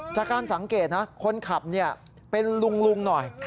จากการสังเกตนะคนขับเป็นลุงหน่อย